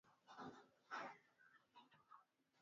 mahakama ya kikatiba imeondoa kifungu ambacho